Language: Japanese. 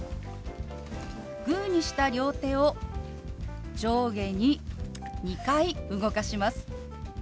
グーにした両手を上下に２回動かします。